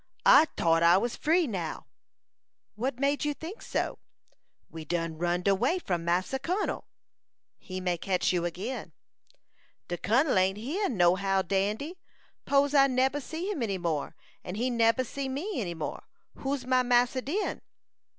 I tought I was free now." "What made you think so?" "We done runned away from Massa Kun'l." "He may catch you again." "De Kun'l ain't here, no how, Dandy; 'pose I neber see him any more, and he neber see me any more, who's my massa den?"